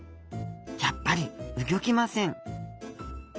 やっぱりうギョきません！